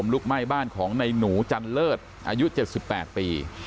ห่มลุกไหม้บ้านของนายหนูสนไดรทอายุเจ็ดสิบแปดปี